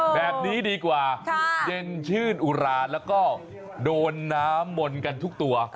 แบบนี้ดีกว่าเย็นชื่นอุราแล้วก็โดนน้ำมนต์กันทุกตัว